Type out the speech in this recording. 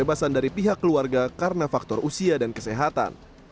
kebebasan dari pihak keluarga karena faktor usia dan kesehatan